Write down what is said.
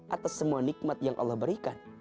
atas semua nikmat yang allah berikan